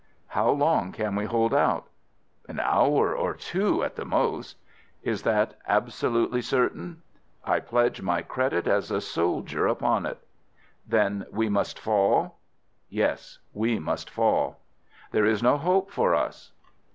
"How long can we hold out?" "An hour or two at the most." "Is that absolutely certain?" "I pledge my credit as a soldier upon it." "Then we must fall?" "Yes, we must fall." "There is no hope for us?"